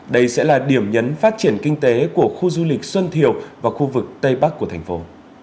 đây sẽ là điểm nhấn phát triển kinh tế của khu du lịch xuân thiều và khu vực tây bắc của thành phố